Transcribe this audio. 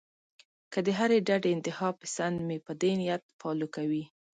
کۀ د هرې ډډې انتها پسند مې پۀ دې نيت فالو کوي